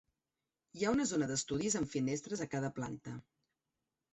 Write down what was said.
Hi ha una zona d'estudis amb finestres a cada planta.